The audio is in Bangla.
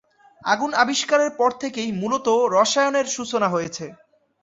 আগুন আবিষ্কারের পর থেকেই মূলত রসায়নের সূচনা হয়েছে।